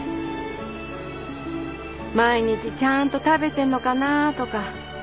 毎日ちゃんと食べてんのかなとか。